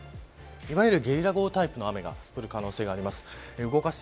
いわゆるゲリラ豪雨タイプの雨が降る可能性があります。